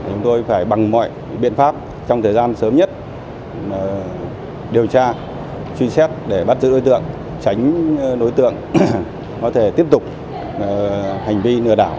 chúng tôi phải bằng mọi biện pháp trong thời gian sớm nhất điều tra truy xét để bắt giữ đối tượng tránh đối tượng có thể tiếp tục hành vi lừa đảo